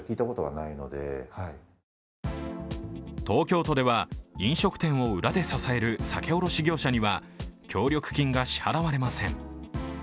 東京都では飲食店を裏で支える酒卸業者には協力金が支払われません。